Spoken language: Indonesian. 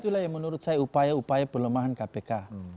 itulah yang menurut saya upaya upaya pelemahan kpk